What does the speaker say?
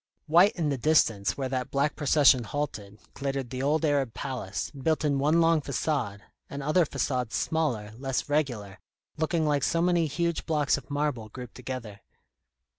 White in the distance where that black procession halted, glittered the old Arab palace, built in one long façade, and other façades smaller, less regular, looking like so many huge blocks of marble grouped together.